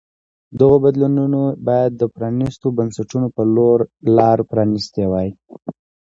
دغو بدلونونو باید د پرانیستو بنسټونو په لور لار پرانیستې وای.